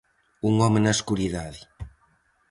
"Un home na escuridade".